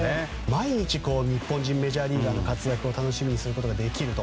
毎日、日本人メジャーリーガーの活躍を楽しむことができると。